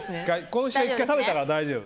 今週は食べたから大丈夫。